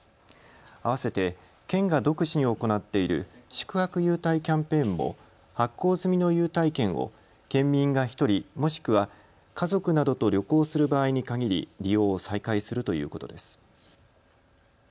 あわせて県が独自に行っている宿泊優待キャンペーンも発行済みの優待券を県民が１人、もしくは家族などと旅行する場合に限り利用を再開するということです。